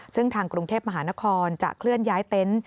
ซึ่งทางกรุงเทพมหานครจะเคลื่อนย้ายเต็นต์